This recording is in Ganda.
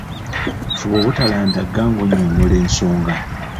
Fuba obutalandagga ng'onyonnyola ensonga.